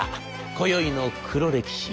今宵の黒歴史。